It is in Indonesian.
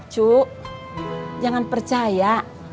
cuk jangan percaya